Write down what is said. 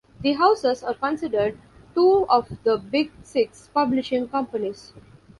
The houses are considered two of the "Big Six" publishing companies.